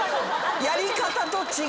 やり方と違う。